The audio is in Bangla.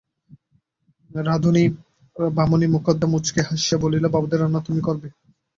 রাঁধুনী বামনী মোক্ষদা মুচকি হাসিয়া বলিল, বাবুদের রান্না তুমি করবে?